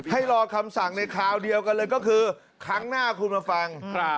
ให้รอคำสั่งในคราวเดียวกันเลยก็คือครั้งหน้าคุณมาฟัง